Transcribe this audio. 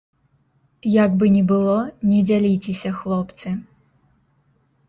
Як бы ні было, не дзяліцеся, хлопцы.